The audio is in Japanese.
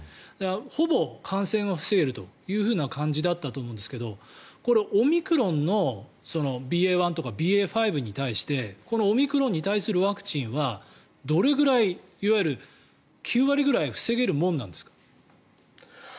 ほぼ感染を防げるという感じだったと思うんですけどオミクロンのＢＡ．１とかＢＡ．５に対してこのオミクロンに対するワクチンはどれぐらい、いわゆる９割ぐらい防げるものなんですか？